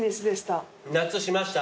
夏しました？